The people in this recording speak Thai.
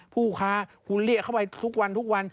ผู้ค้ากูเรียกเขาไปทุกวัน